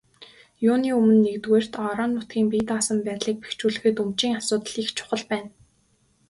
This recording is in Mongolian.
Юуны өмнө, нэгдүгээрт, орон нутгийн бие даасан байдлыг бэхжүүлэхэд өмчийн асуудал их чухал байна.